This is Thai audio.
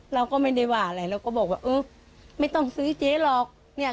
เราก็ไม่ได้ว่าอะไรเราก็บอกว่าเออไม่ต้องซื้อเจ๊หรอกเนี่ย